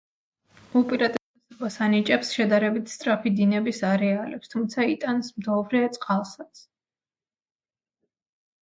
უპირატესობას ანიჭებს შედარებით სწრაფი დინების არეალებს, თუმცა იტანს მდოვრე წყალსაც.